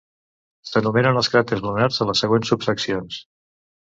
S'enumeren els cràters lunars a les següents subseccions.